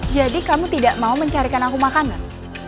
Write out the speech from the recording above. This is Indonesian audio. jadi kamu tidak mau mencarikan aku makanan